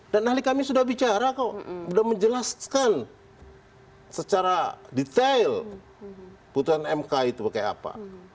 dan ahli kami sudah bicara sudah menjelaskan secara detail putusan mk itu bagaimana